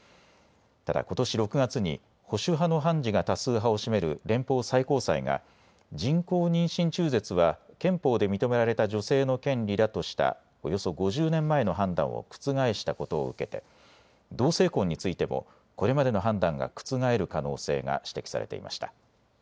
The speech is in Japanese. ただことし６月に保守派の判事が多数派を占める連邦最高裁が人工妊娠中絶は憲法で認められた女性の権利だとしたおよそ５０年前の判断を覆したことを受けて同性婚についてもこれまでの判断が覆る可能性が指摘されていました。